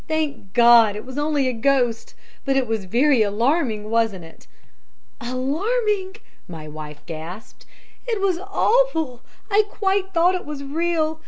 'Thank God! It was only a ghost! but it was very alarming, wasn't it?' "'Alarming!' my wife gasped, 'it was awful! I quite thought it was real!